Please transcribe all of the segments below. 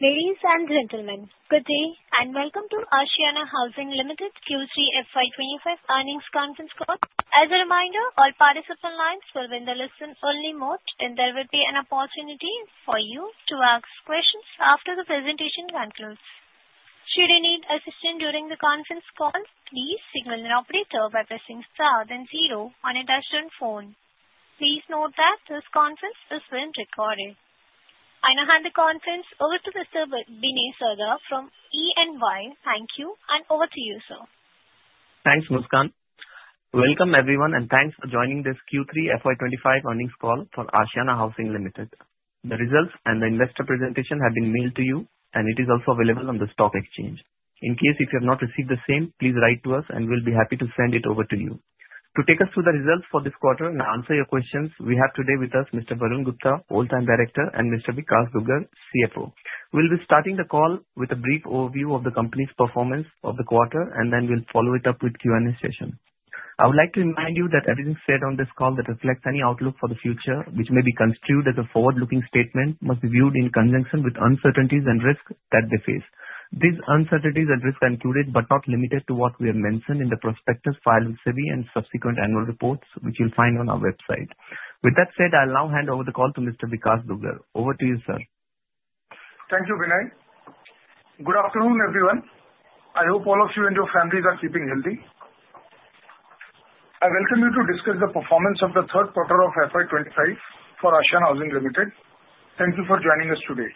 Ladies and gentlemen, good day and welcome to Ashiana Housing Ltd Q3 FY25 earnings conference call. As a reminder, all participant lines will be in the listen-only mode, and there will be an opportunity for you to ask questions after the presentation concludes. Should you need assistance during the conference call, please signal the operator by pressing star then zero on a touch-tone phone. Please note that this conference is being recorded. I now hand the conference over to Mr. Binay Sarda from EY. Thank you, and over to you, sir. Thanks, Muskan. Welcome everyone, and thanks for joining this Q3 FY25 earnings call for Ashiana Housing Ltd. The results and the investor presentation have been mailed to you, and it is also available on the stock exchange. In case you have not received the same, please write to us, and we'll be happy to send it over to you. To take us through the results for this quarter and answer your questions, we have today with us Mr. Varun Gupta, Whole Time Director, and Mr. Vikash Dugar, CFO. We'll be starting the call with a brief overview of the company's performance of the quarter, and then we'll follow it up with Q&A session. I would like to remind you that everything said on this call that reflects any outlook for the future, which may be construed as a forward-looking statement, must be viewed in conjunction with uncertainties and risks that they face. These uncertainties and risks are included but not limited to what we have mentioned in the prospectus filed with SEBI and subsequent annual reports, which you'll find on our website. With that said, I'll now hand over the call to Mr. Vikash Dugar. Over to you, sir. Thank you, Binay. Good afternoon, everyone. I hope all of you and your families are keeping healthy. I welcome you to discuss the performance of the Q3 of FY25 for Ashiana Housing Ltd. Thank you for joining us today.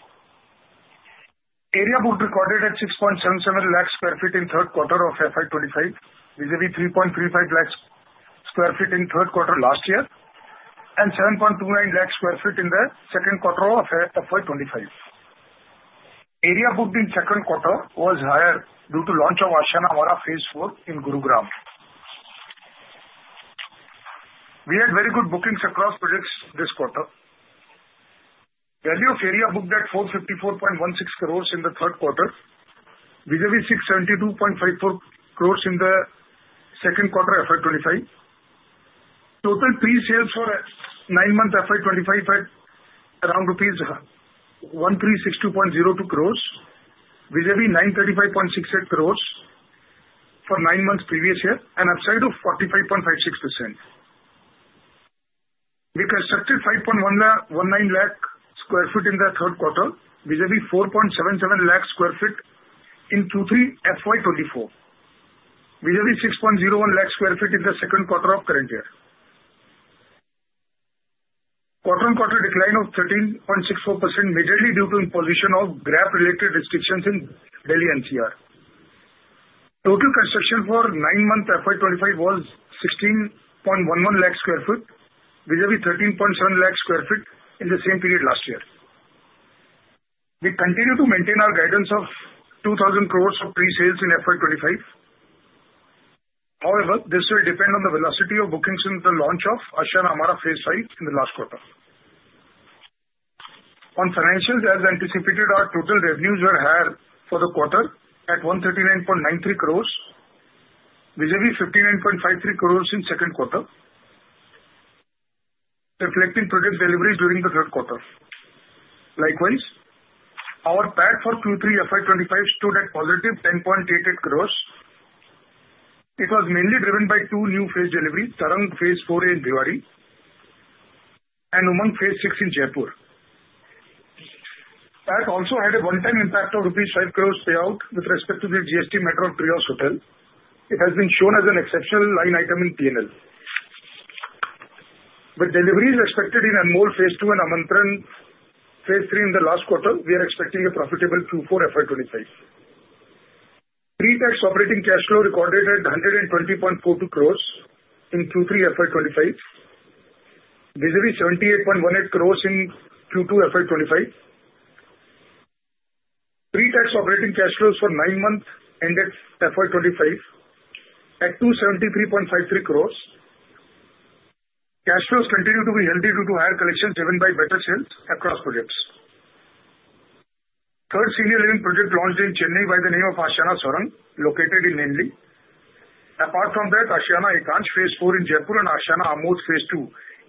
Area Book recorded at 6.77 lakh sq ft in Q3 of FY25, vis-à-vis 3.35 lakh sq ft in Q3 last year, and 7.29 lakh sq ft in the Q2 of FY25. Area booked in Q2 was higher due to launch of Ashiana Amara Phase Four in Gurugram. We had very good bookings across projects this quarter. Value of area booked at ₹454.16 crores in the Q3, vis-à-vis ₹672.54 crores in the Q2 FY25. Total pre-sales for nine months FY25 at around ₹1362.02 crores, vis-à-vis 935.68 crores for nine months previous year, an upside of 45.56%. We constructed 5.19 lakh sq ft in the Q3, vis-à-vis 4.77 lakh sq ft in Q3 FY24, vis-à-vis 6.01 lakh sq ft in the Q2 of current year. Quarter-on-quarter decline of 13.64% majorly due to imposition of GRAP-related restrictions in Delhi NCR. Total construction for nine months FY25 was 16.11 lakh sq ft, vis-à-vis 13.7 lakh sq ft in the same period last year. We continue to maintain our guidance of 2,000 crores of pre-sales in FY25. However, this will depend on the velocity of bookings in the launch of Ashiana Amara Phase V in the last quarter. On financials, as anticipated, our total revenues were higher for the quarter at 139.93 crores, vis-à-vis 59.53 crores in Q2, reflecting project deliveries during the Q3. Likewise, our PAT for Q3 FY25 stood at positive 10.88 crores. It was mainly driven by two new phase deliveries: Tarang Phase Four A in Bhiwadi and Umang Phase Six in Jaipur. PAT also had a one-time impact of rupees 5 crores payout with respect to the GST Metro Trios Hotel. It has been shown as an exceptional line item in P&L. With deliveries expected in Anmol Phase Two and Amantran Phase Three in the last quarter, we are expecting a profitable Q4 FY25. Pre-tax operating cash flow recorded at 120.42 crores in Q3 FY25, vis-à-vis 78.18 crores in Q2 FY25. Pre-tax operating cash flows for nine months ended FY25 at 273.53 crores. Cash flows continue to be healthy due to higher collections driven by better sales across projects. Third senior living project launched in Chennai by the name of Ashiana Swarang, located in Nemmeli. Apart from that, Ashiana Ekansh Phase IV in Jaipur and Ashiana Amodh Phase Two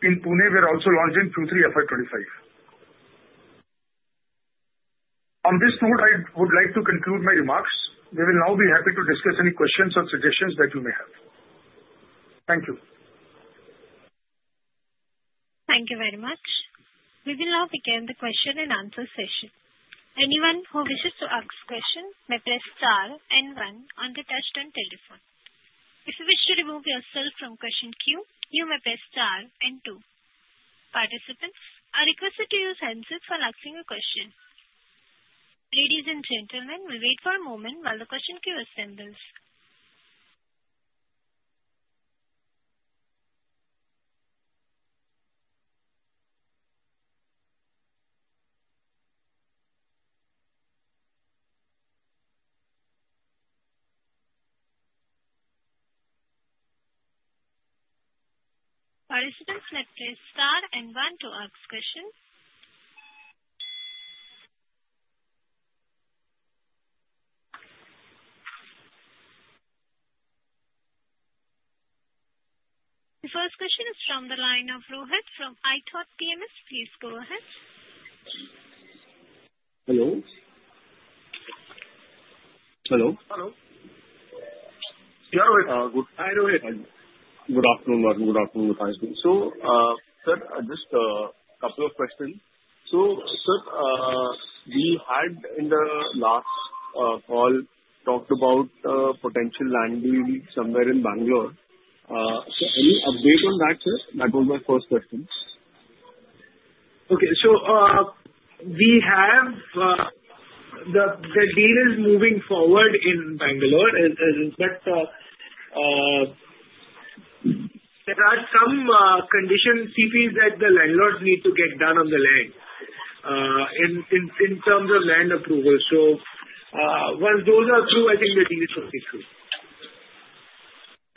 in Pune were also launched in Q3 FY25. On this note, I would like to conclude my remarks. We will now be happy to discuss any questions or suggestions that you may have. Thank you. Thank you very much. We will now begin the question and answer session. Anyone who wishes to ask questions may press star and one on the touch-tone telephone. If you wish to remove yourself from question queue, you may press star and two. Participants, I request that you use handset while asking a question. Ladies and gentlemen, we'll wait for a moment while the question queue assembles. Participants may press star and one to ask questions. The first question is from the line of Rohit from Ithaka PMS. Please go ahead. Hello. Hello. Hello. You are with us. Good afternoon, Varun. Good afternoon, So, sir, just a couple of questions. So, sir, we had in the last call talked about a potential land deal somewhere in Bangalore. So, any update on that, sir? That was my first question. Okay. So, we have the deal is moving forward in Bangalore. There are some conditions, CPs, that the landlords need to get done on the land in terms of land approval. So, once those are through, I think the deal will be through.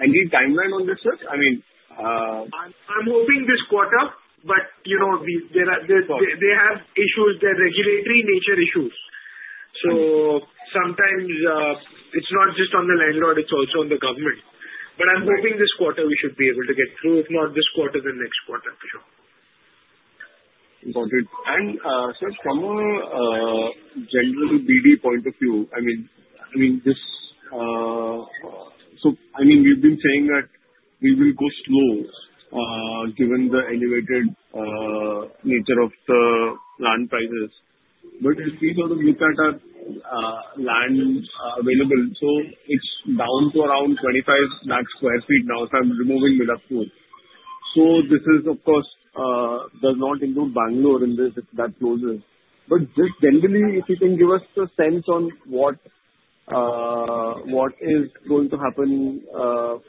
Any timeline on this, sir? I mean. I'm hoping this quarter, but they have issues. They're regulatory nature issues. So, sometimes it's not just on the landlord, it's also on the government. But I'm hoping this quarter we should be able to get through, if not this quarter, then next quarter for sure. Important. And, sir, from a general BD point of view, I mean, so, I mean, we've been saying that we will go slow given the elevated nature of the land prices. But if we sort of look at our land available, so it's down to around 25 lakh sq ft now if I'm removing Milakpur. So, this is, of course, does not include Bangalore in this if that closes. But just generally, if you can give us a sense on what is going to happen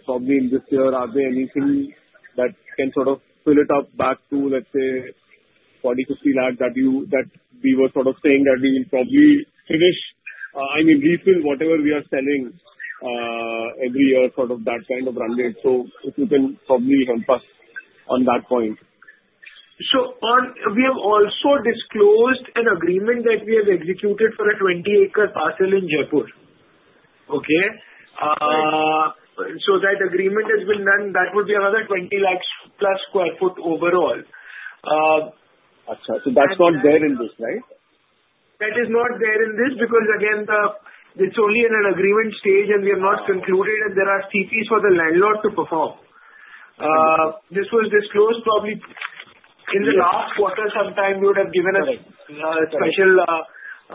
probably in this year, are there anything that can sort of fill it up back to, let's say, 40 to 50 lakh that we were sort of saying that we will probably finish, I mean, refill whatever we are selling every year, sort of that kind of run rate. So, if you can probably help us on that point. So, we have also disclosed an agreement that we have executed for a 20-acre parcel in Jaipur. Okay? So, that agreement has been done. That would be another 20 lakh plus sq ft overall. So that's not there in this, right? That is not there in this because, again, it's only in an agreement stage and we have not concluded, and there are CPs for the landlord to perform. This was disclosed probably in the last quarter sometime. You would have given us a special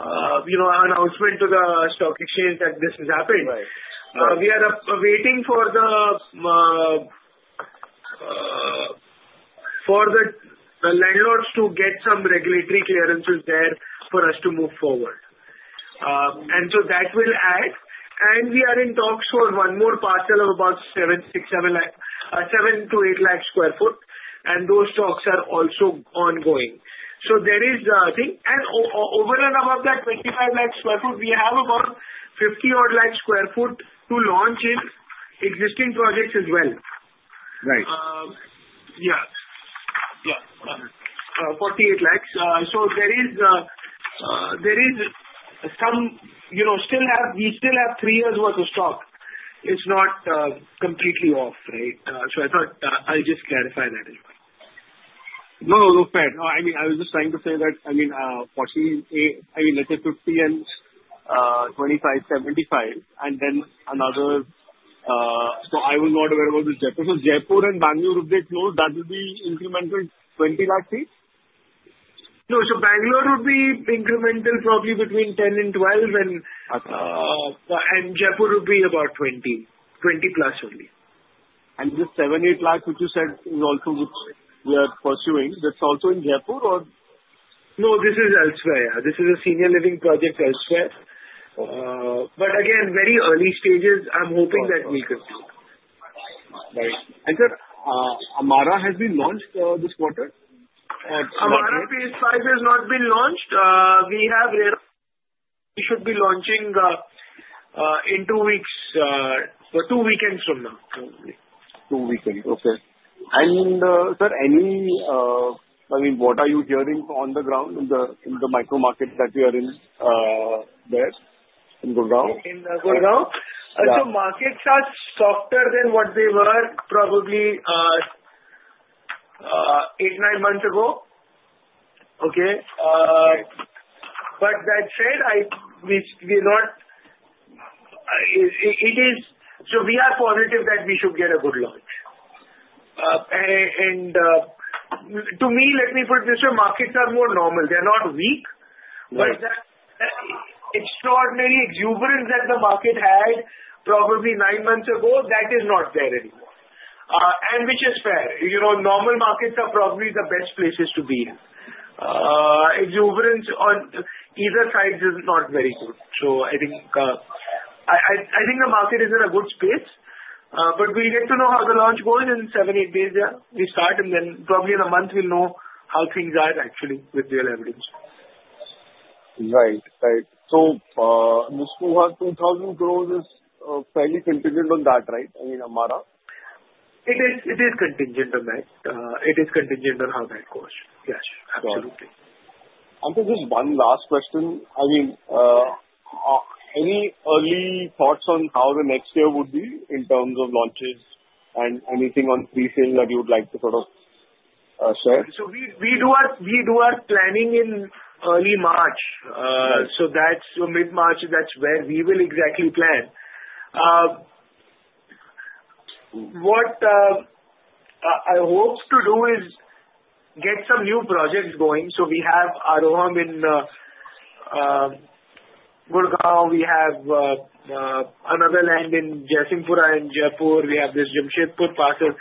announcement to the stock exchange that this has happened. We are waiting for the landlords to get some regulatory clearances there for us to move forward. And so, that will add. And we are in talks for one more parcel of about 7 to 8 lakh sq ft, and those talks are also ongoing. So, there is, I think, and over and above that, 25 lakh sq ft, we have about 50-odd lakh sq ft to launch in existing projects as well. Right. Yeah. Yeah. ₹48 lakhs. So, there is some we still have three years' worth of stock. It's not completely off, right? So, I thought I'll just clarify that as well. No, no, fair. No, I mean, I was just trying to say that. I mean, 48, I mean, let's say 50 and 25, 75, and then another so, I was not aware about the Jaipur. So, Jaipur and Bangalore if they close, that would be incremental 20 lakh feet? No. So, Bangalore would be incremental probably between 10 and 12, and Jaipur would be about 20, 20 plus only. And this 78 lakh which you said is also which we are pursuing, that's also in Jaipur or? No, this is elsewhere, yeah. This is a senior living project elsewhere. But again, very early stages. I'm hoping that we'll complete. Right. And, sir, Amara has been launched this quarter? Amara Phase Five has not been launched. We should be launching in two weeks, two weekends from now. Two weekends. Okay. And, sir, any, I mean, what are you hearing on the ground in the micro markets that we are in there in Gurugram? In Gurugram? Markets are softer than what they were probably eight, nine months ago. Okay? But that said, we're not. It is so, we are positive that we should get a good launch. And to me, let me put this, sir. Markets are more normal. They're not weak. But that extraordinary exuberance that the market had probably nine months ago, that is not there anymore. And which is fair. Normal markets are probably the best places to be in. Exuberance on either side is not very good. I think the market is in a good space. But we'll get to know how the launch goes in seven, eight days, yeah? We start, and then probably in a month we'll know how things are actually with real evidence. Right. Right. So, Mr. Dugar, 2,000 crores is fairly contingent on that, right? I mean, Amara? It is contingent on that. It is contingent on how that goes. Yes. Absolutely. And so, just one last question. I mean, any early thoughts on how the next year would be in terms of launches and anything on pre-sales that you would like to sort of share? We do our planning in early March. Mid-March, that's where we will exactly plan. What I hope to do is get some new projects going. We have Amara in Gurugram. We have another land in Jaisinghpura in Jaipur. We have this Jamshedpur parcel.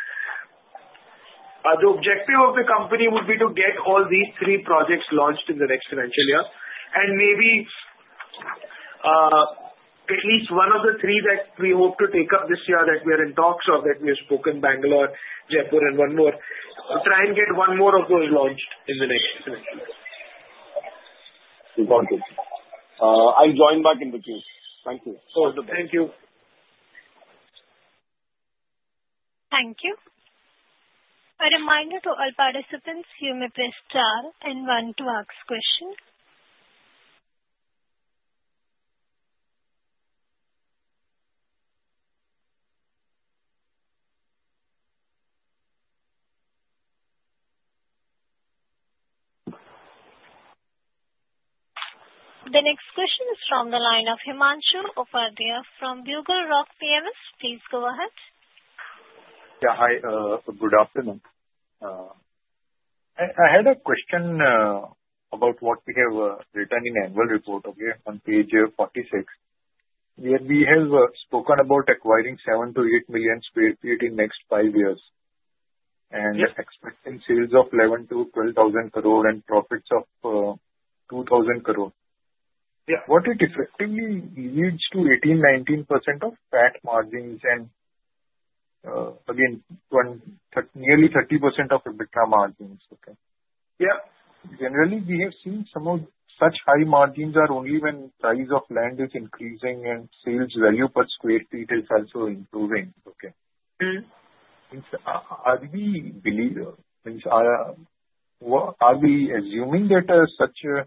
The objective of the company would be to get all these three projects launched in the next financial year. Maybe at least one of the three that we hope to take up this year that we are in talks of, that we have spoken, Bangalore, Jaipur, and one more. Try and get one more of those launched in the next financial year. Important. I'll join back in the queue. Thank you. Thank you. Thank you. A reminder to all participants, you may press star and one to ask question. The next question is from the line of Himanshu Upadhyay from BugleRock PMS. Please go ahead. Yeah. Hi. Good afternoon. I had a question about what we have written in the annual report, okay, on page 46, where we have spoken about acquiring 7 to 8 million sq ft in the next five years and expecting sales of 11-12 thousand crore and profits of 2,000 crore. What it effectively leads to 18-19% PAT margins and, again, nearly 30% EBITDA margins. Okay? Yeah. Generally, we have seen some of such high margins are only when the price of land is increasing and sales value per square feet is also improving. Okay? Are we assuming that such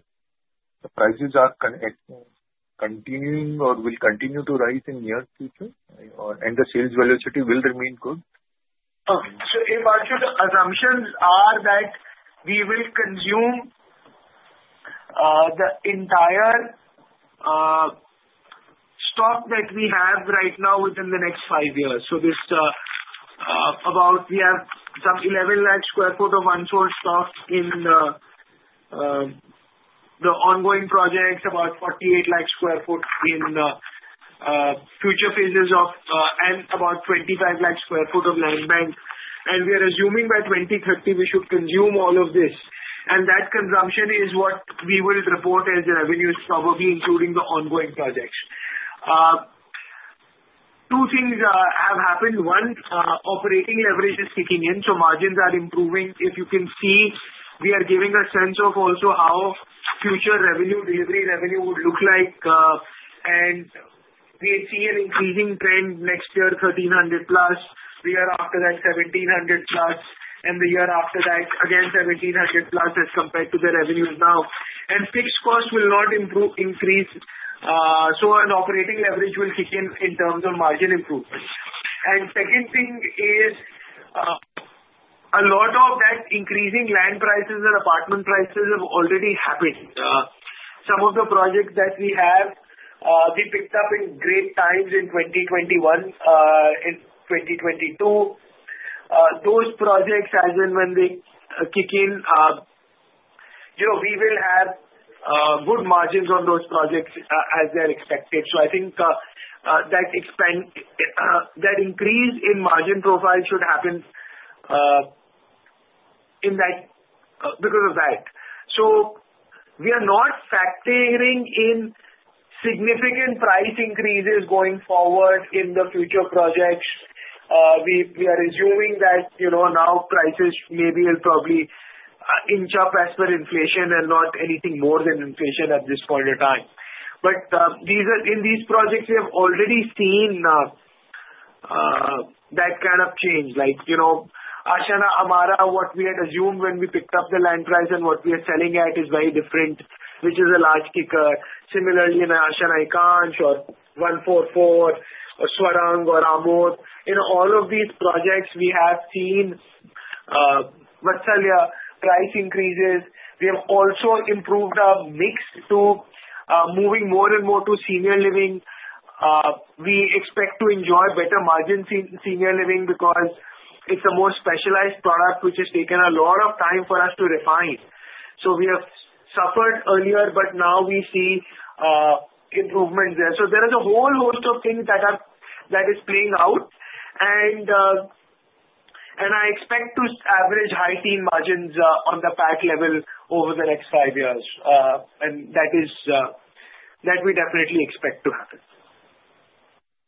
prices are continuing or will continue to rise in the near future? And the sales velocity will remain good? So, Himanshu, the assumptions are that we will consume the entire stock that we have right now within the next five years. So, about we have some 11 lakh sq ft of unsold stock in the ongoing projects, about 48 lakh sq ft in future phases of, and about 25 lakh sq ft of land bank. And we are assuming by 2030 we should consume all of this. And that consumption is what we will report as revenues, probably including the ongoing projects. Two things have happened. One, operating leverage is kicking in, so margins are improving. If you can see, we are giving a sense of also how future revenue, delivery revenue would look like. And we see an increasing trend next year, 1,300 plus. The year after that, 1,700 plus. And the year after that, again, 1,700 plus as compared to the revenues now. Fixed costs will not increase. An operating leverage will kick in in terms of margin improvement. Second thing is a lot of that increasing land prices and apartment prices have already happened. Some of the projects that we have, we picked up in great times in 2021, in 2022. Those projects, as in when they kick in, we will have good margins on those projects as they're expected. I think that increase in margin profile should happen because of that. We are not factoring in significant price increases going forward in the future projects. We are assuming that now prices maybe will probably inch up as per inflation and not anything more than inflation at this point of time. In these projects, we have already seen that kind of change. Like Ashiana Amara, what we had assumed when we picked up the land price and what we are selling at is very different, which is a large kicker. Similarly, in Ashiana Ekansh or One44 or Swarang or Amodh, all of these projects we have seen price increases. We have also improved our mix to moving more and more to senior living. We expect to enjoy better margin senior living because it's a more specialized product, which has taken a lot of time for us to refine. So, we have suffered earlier, but now we see improvement there. So, there is a whole host of things that is playing out. And I expect to average high-teens margins on the PAT level over the next five years. And that we definitely expect to happen.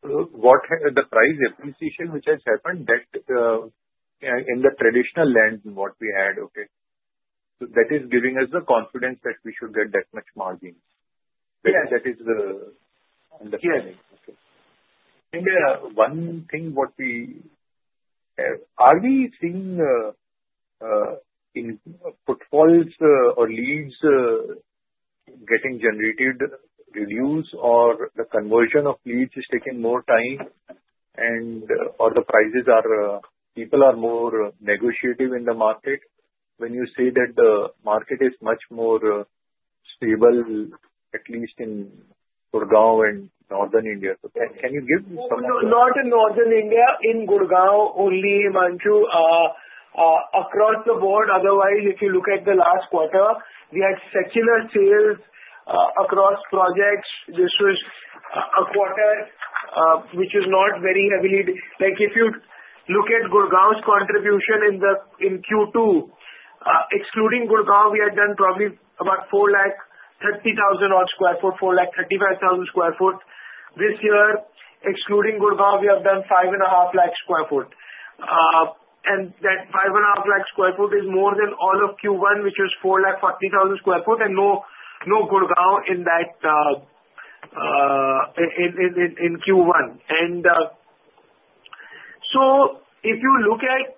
So, with the price appreciation, which has happened in the traditional land that we had, okay, that is giving us the confidence that we should get that much margin. That is the understanding. Yes. Okay. And one thing what we are seeing in portfolios or leads getting generated, reduced, or the conversion of leads is taking more time and/or the prices, people are more negotiative in the market when you say that the market is much more stable, at least in Gurugram and northern India. Can you give some more? Not in northern India, in Gurugram only, Himanshu. Across the board, otherwise, if you look at the last quarter, we had secular sales across projects. This was a quarter which is not very heavily. Like if you look at Gurugram's contribution in Q2, excluding Gurugram, we had done probably about 430,000-odd sq ft, 435,000 sq ft. This year, excluding Gurugram, we have done 5.5 lakh sq ft. And that 5.5 lakh sq ft is more than all of Q1, which was 440,000 sq ft, and no Gurugram in Q1. And so, if you look at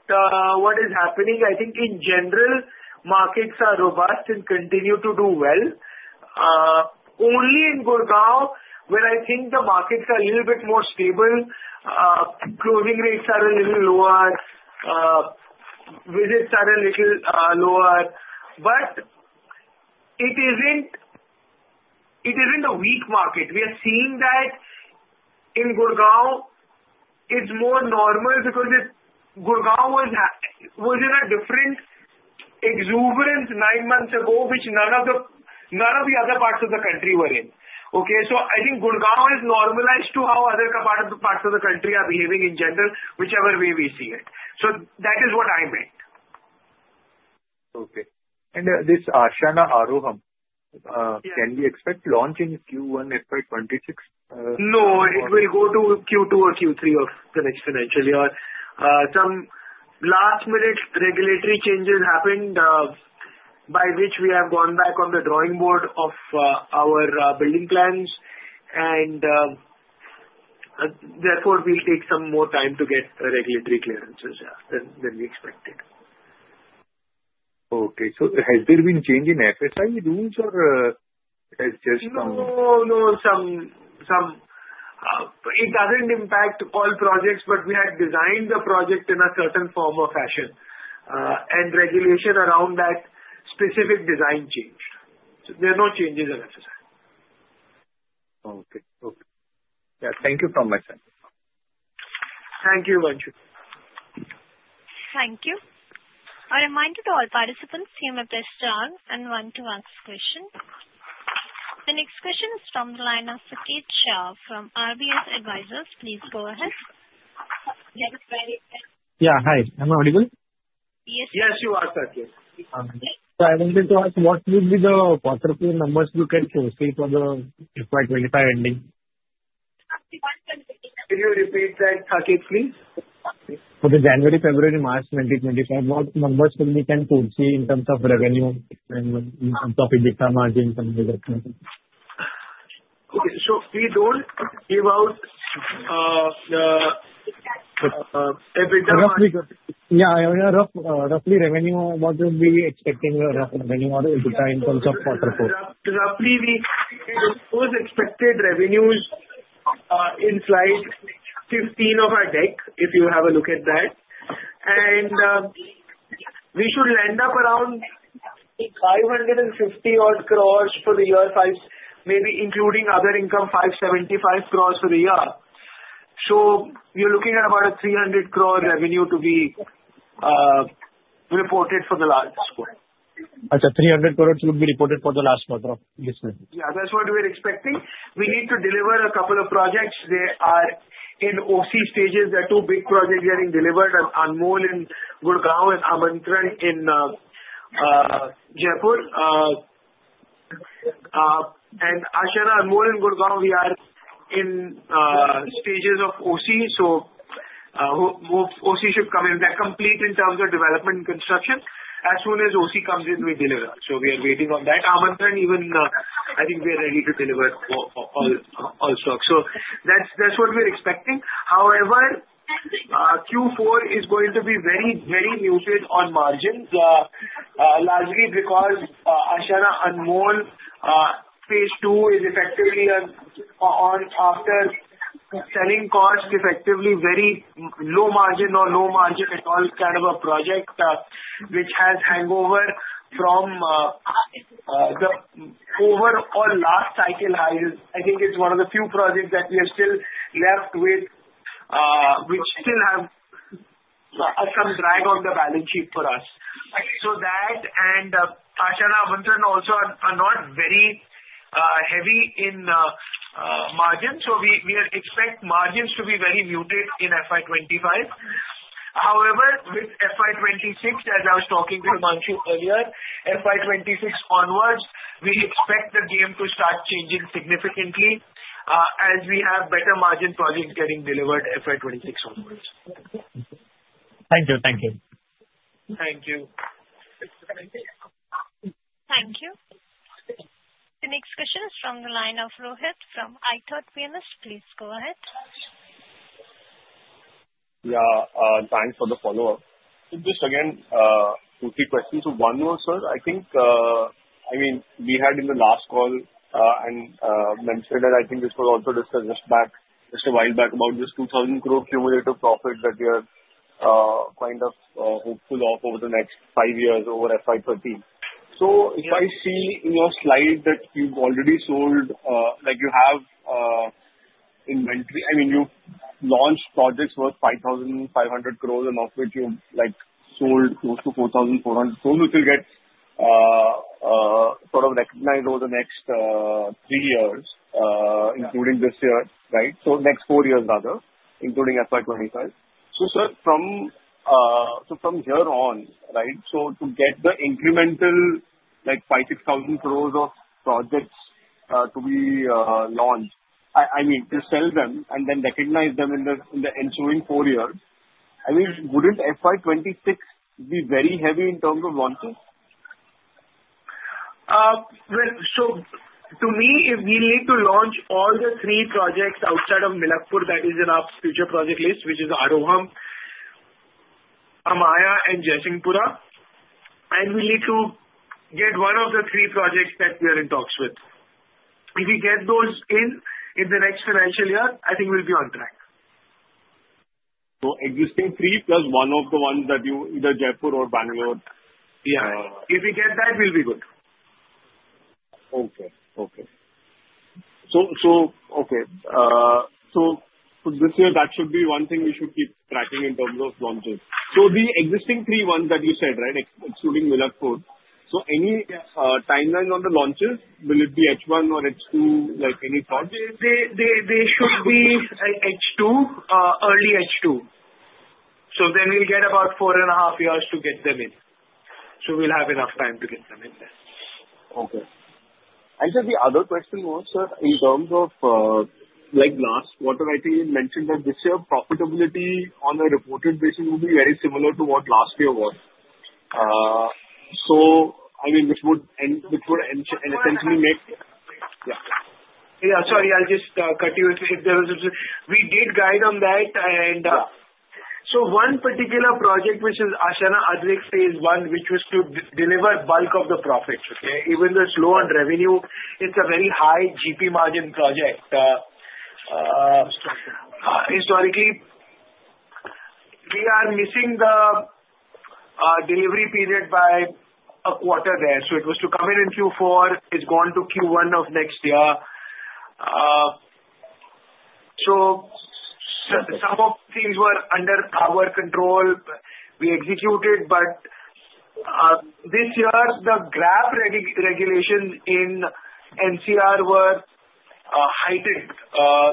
what is happening, I think in general, markets are robust and continue to do well. Only in Gurugram, where I think the markets are a little bit more stable, closing rates are a little lower, visits are a little lower. But it isn't a weak market. We are seeing that in Gurugram, it's more normal because Gurugram was in a different exuberance nine months ago, which none of the other parts of the country were in. Okay? So, I think Gurugram has normalized to how other parts of the country are behaving in general, whichever way we see it. So, that is what I meant. Okay. And this Ashiana Aroham, can we expect launch in Q1, FY26? No. It will go to Q2 or Q3 of the next financial year. Some last-minute regulatory changes happened by which we have gone back on the drawing board of our building plans, and therefore, we'll take some more time to get regulatory clearances than we expected. Okay. So, has there been change in FSI rules or has just some? No, no. It doesn't impact all projects, but we had designed the project in a certain form or fashion. And regulation around that specific design changed. So, there are no changes in FSI. Okay. Okay. Yeah. Thank you so much, sir. Thank you, Himanshu. Thank you. A reminder to all participants to take a question and one to ask question. The next question is from the line of Sachin Shah from RBS Advisors. Please go ahead. Yeah. Hi. Am I audible? Yes. Yes, you are, Sahil. I wanted to ask, what will be the quarterly numbers you can for the FY25 ending? Can you repeat that, Sahil, please? For January, February, March 2025, what numbers can you see in terms of revenue and in terms of EBITDA margin? Okay, so, we don't give out the EBITDA. Yeah. Roughly revenue, what will be expecting revenue or EBITDA in terms of quarterly? Roughly, we expose expected revenues in slide 15 of our deck, if you have a look at that. And we should land up around 550 odd crores for the year, maybe including other income, 575 crores for the year. So, we are looking at about a 300 crore revenue to be reported for the last quarter. Okay. 300 crores will be reported for the last quarter. Yes, sir. Yeah. That's what we are expecting. We need to deliver a couple of projects. They are in OC stages. There are two big projects getting delivered: Anmol in Gurugram and Amantran in Jaipur. And Ashiana Anmol in Gurugram, we are in stages of OC. So, OC should come in. They're complete in terms of development and construction. As soon as OC comes in, we deliver. So, we are waiting on that. Amantran, even, I think we are ready to deliver all stocks. So, that's what we are expecting. However, Q4 is going to be very, very muted on margins, largely because Ashiana Anmol, phase two is effectively on after selling costs, effectively very low margin or no margin at all kind of a project, which has hangover from the overall last cycle highs. I think it's one of the few projects that we are still left with, which still have some drag on the balance sheet for us. So, that and Ashiana Amantran also are not very heavy in margins. So, we expect margins to be very muted in FY25. However, with FY26, as I was talking to Himanshu earlier, FY26 onwards, we expect the game to start changing significantly as we have better margin projects getting delivered FY26 onwards. Thank you. Thank you. Thank you. Thank you. The next question is from the line of Rohit from Ithaka PMS. Please go ahead. Yeah. Thanks for the follow-up. Just again, two or three questions to one more, sir. I mean, we had in the last call and mentioned that I think this was also discussed just a while back about this 2,000 crore cumulative profit that you're kind of hopeful of over the next five years over FY 2013. So, if I see in your slide that you've already sold, you have inventory I mean, you've launched projects worth 5,500 crore, and of which you've sold close to 4,400 crore, which will get sort of recognized over the next three years, including this year, right? So, next four years, rather, including FY 2025. So, sir, from here on, right, to get the incremental INR 5,000 to 6,000 crores of projects to be launched, I mean, to sell them and then recognize them in the ensuing four years, I mean, wouldn't FY26 be very heavy in terms of launches? So, to me, if we need to launch all the three projects outside of Milakpur, that is in our future project list, which is Aroham, Amayra, and Jaisinghpura, and we need to get one of the three projects that we are in talks with. If we get those in the next financial year, I think we'll be on track. So, existing three plus one of the ones that you either Jaipur or Bangalore? Yeah. If we get that, we'll be good. Okay. So, this year, that should be one thing we should keep tracking in terms of launches. So, the existing three ones that you said, right, excluding Milakpur, so any timeline on the launches? Will it be H1 or H2? Any thoughts? They should be H2, early H2. So, then we'll get about four and a half years to get them in. So, we'll have enough time to get them in there. Okay. And just the other question was, sir, in terms of last quarter, I think you mentioned that this year, profitability on a reported basis will be very similar to what last year was. So, I mean, which would essentially make yeah. Yeah. Sorry, I'll just cut you if there was a, we did guide on that. And so, one particular project, which is Ashiana Advik phase I, which was to deliver bulk of the profits, okay? Even though it's low on revenue, it's a very high GP margin project. Historically, we are missing the delivery period by a quarter there. So, it was to come in in Q4, it's gone to Q1 of next year. So, some of the things were under our control. We executed, but this year, the GRAP regulations in NCR were heightened.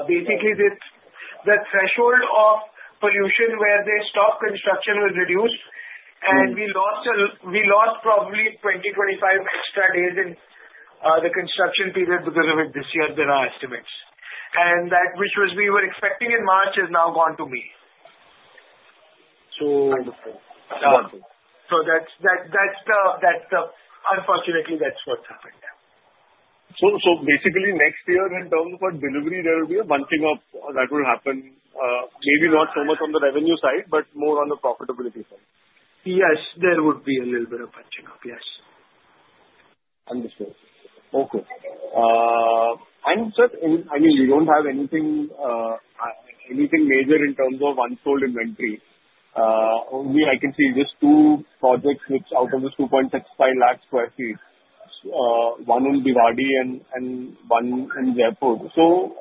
Basically, the threshold of pollution where they stopped construction was reduced, and we lost probably 20 to 25 extra days in the construction period because of it this year than our estimates. And that which we were expecting in March has now gone to May. So, wonderful. So, unfortunately, that's what happened. So, basically, next year in terms of delivery, there will be a bunching up that will happen, maybe not so much on the revenue side, but more on the profitability side. Yes. There would be a little bit of bunching up, yes. Understood. Okay. And, sir, I mean, we don't have anything major in terms of unsold inventory. Only I can see just two projects out of this 2.65 lakh sq ft, one in Bhiwadi and one in Jaipur. So,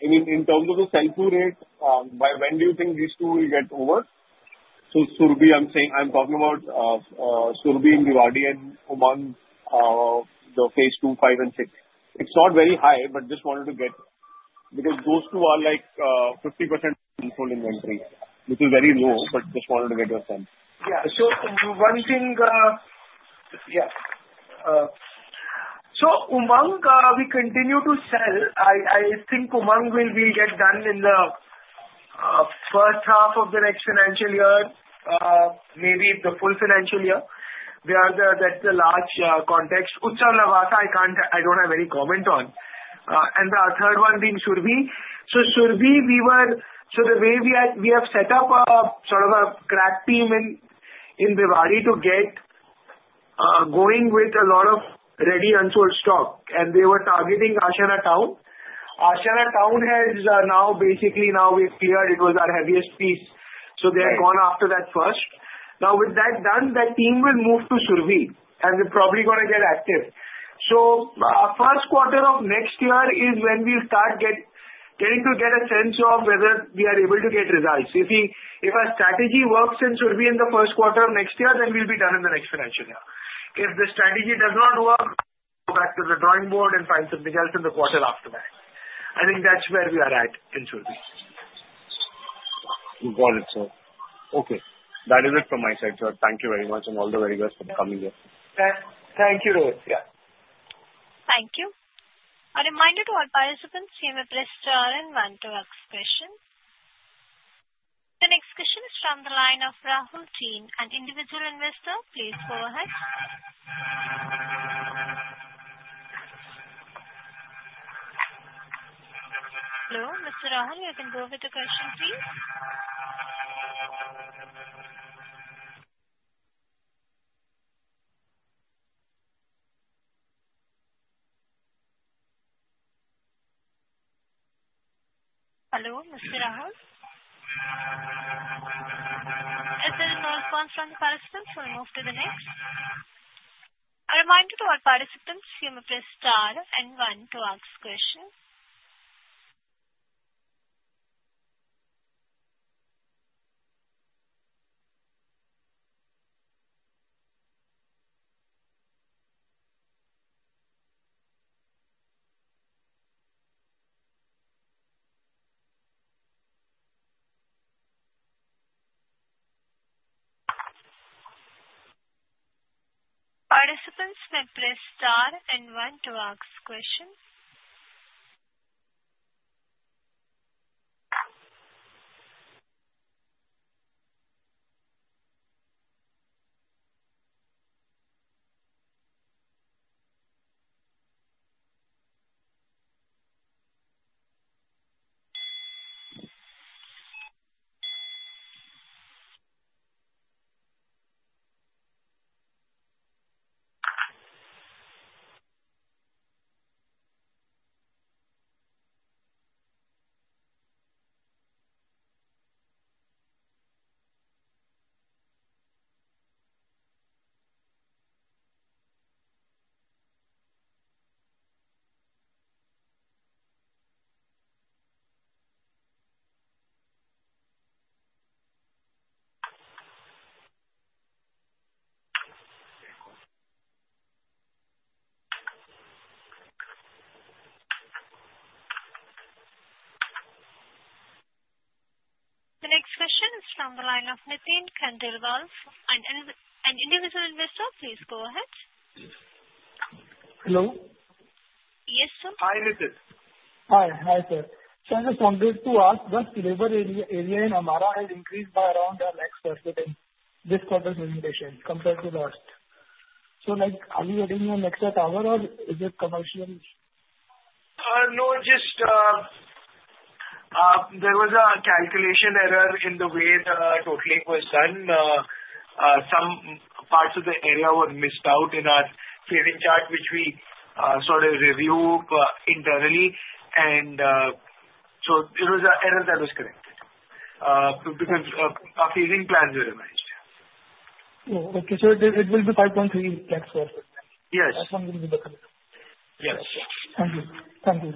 I mean, in terms of the sell-through rate, when do you think these two will get over? So, Surbhi, I'm talking about Surbhi in Bhiwadi and Umang, the phase two, five, and six. It's not very high, but just wanted to get because those two are like 50% unsold inventory, which is very low, but just wanted to get your sense. Yeah. So, one thing. Yeah. So, Umang, we continue to sell. I think Umang will get done in the first half of the next financial year, maybe the full financial year. That's the large context. Utsav, Lavasa, I don't have any comment on. And the third one being Surbhi. So, Surbhi, we were, so the way we have set up sort of a grab team in Bhiwadi to get going with a lot of ready unsold stock. And they were targeting Ashiana Town. Ashiana Town has now basically we have cleared. It was our heaviest piece. So, they have gone after that first. Now, with that done, that team will move to Surbhi, and they're probably going to get active. So, Q1 of next year is when we'll start getting a sense of whether we are able to get results. If our strategy works in Surbhi in the Q1 of next year, then we'll be done in the next financial year. If the strategy does not work, go back to the drawing board and find something else in the quarter after that. I think that's where we are at in Surbhi. Got it, sir. Okay. That is it from my side, sir. Thank you very much, and all the very best for coming here. Thank you, Rohit. Yeah. Thank you. A reminder to all participants to take a question and one to ask question. The next question is from the line of Rahul Jain, an individual investor. Please go ahead. Hello. Mr. Rahul, you can go with the question, please. Hello, Mr. Rahul. Is there no response from the participants? We'll move to the next. A reminder to all participants to take a question and one to ask question. Participants take a question and one to ask question. The next question is from the line of Nitin Khandelwal, an individual investor. Please go ahead. Hello. Yes, sir? Hi, Nitin. Hi. Hi, sir. Sir, I just wanted to ask, the delivery area in Amara has increased by around a lakh sq ft in this quarter's implementation compared to last. So, are we getting an extra tower, or is it commercial? No, just there was a calculation error in the way the totaling was done. Some parts of the area were missed out in our phasing chart, which we sort of reviewed internally. And so, it was an error that was corrected because our phasing plans were arranged. Okay. So, it will be 5.3 lakh sq ft? Yes. That one will be the correct? Yes. Thank you. Thank you.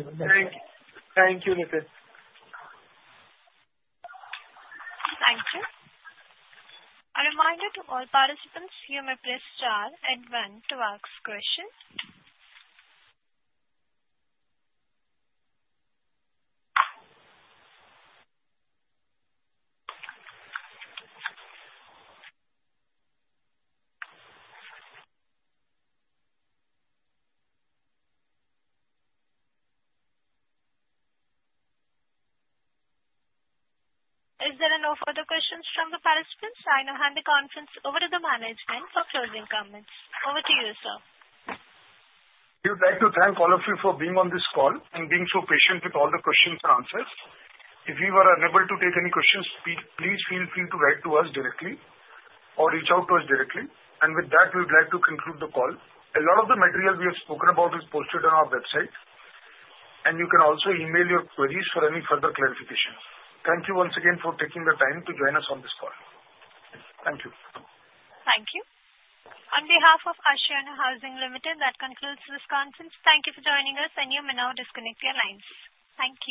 Thank you, Nitin. Thank you. A reminder to all participants that you can ask only one question. Are there no further questions from the participants? I now hand the conference over to the management for closing comments. Over to you, sir. We would like to thank all of you for being on this call and being so patient with all the questions and answers. If you are unable to take any questions, please feel free to write to us directly or reach out to us directly. And with that, we would like to conclude the call. A lot of the material we have spoken about is posted on our website, and you can also email your queries for any further clarification. Thank you once again for taking the time to join us on this call. Thank you. Thank you. On behalf of Ashiana Housing Ltd, that concludes this conference. Thank you for joining us, and you may now disconnect your lines. Thank you.